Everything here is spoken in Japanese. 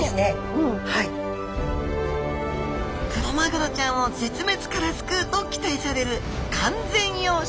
クロマグロちゃんを絶滅から救うと期待される完全養殖。